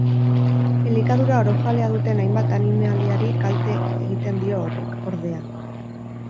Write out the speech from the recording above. Elikadura orojalea duten hainbat animaliari kalte egiten dio horrek, ordea.